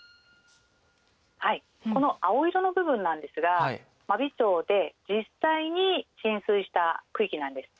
この青色の部分なんですが真備町で実際に浸水した区域なんです。